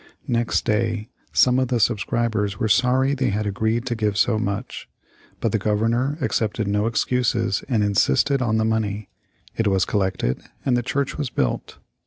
Next day some of the subscribers were sorry they had agreed to give so much, but the Governor accepted no excuses and insisted on the money. It was collected, and the church was built.